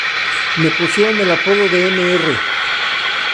Me pusieron el apodo de Mr.